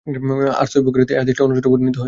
আর সহীহ বুখারীতে এ হাদীসটি অন্য সূত্রে বর্ণিত হয়েছে।